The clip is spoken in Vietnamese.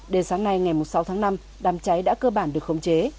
đến sáng nay ngày sáu tháng năm đám cháy đã cơ bản được khống chế